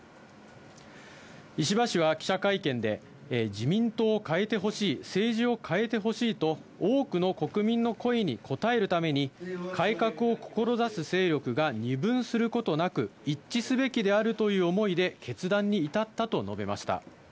石破氏は記者会見で、自民党を変えてほしい、政治を変えてほしいと、多くの国民の声に応えるために、改革を志す勢力が二分することなく、一致すべきであるという思いで決断に至ったと述べました。